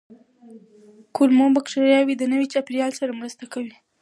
کولمو بکتریاوې د نوي چاپېریال سره مرسته کوي.